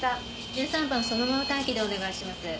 １３番そのまま待機でお願いします。